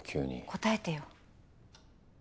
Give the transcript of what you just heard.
答えてよ。